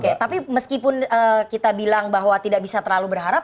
oke tapi meskipun kita bilang bahwa tidak bisa terlalu berharap